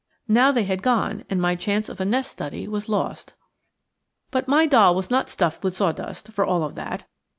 Now they had gone, and my chance of a nest study was lost. But my doll was not stuffed with sawdust, for all of that.